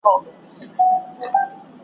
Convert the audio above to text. مشوره له چا؟ .